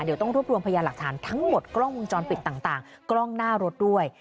เดี๋ยวต้องรวบรวมพยานหลักฐานทั้งหมดกล้องวงจรปิดต่างกล้องหน้ารถด้วย